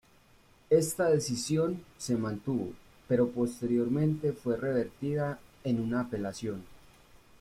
Esta decisión se mantuvo, pero posteriormente fue revertida en una apelación.